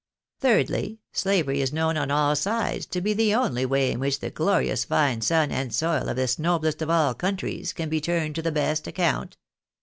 Thirdly, slavery is known on all sides to be the only way in which the glo rious fine sun and soil of this noblest of all countries, can be turned to the best account.